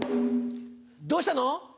どうしたの？